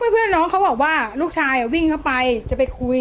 เพื่อนน้องเขาบอกว่าลูกชายวิ่งเข้าไปจะไปคุย